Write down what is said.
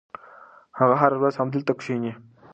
هغه هره ورځ همدلته کښېني.